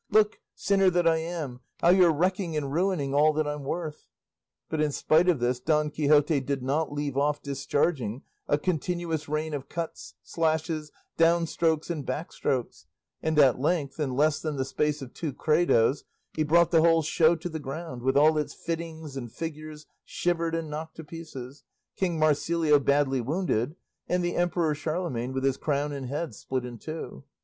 Look sinner that I am! how you're wrecking and ruining all that I'm worth!" But in spite of this, Don Quixote did not leave off discharging a continuous rain of cuts, slashes, downstrokes, and backstrokes, and at length, in less than the space of two credos, he brought the whole show to the ground, with all its fittings and figures shivered and knocked to pieces, King Marsilio badly wounded, and the Emperor Charlemagne with his crown and head split in two.